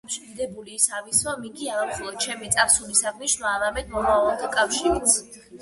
ალბომში დიდებული ის არის, რომ იგი არა მხოლოდ ჩემი წარსულის აღნიშვნაა, არამედ მომავალთა კავშირიც.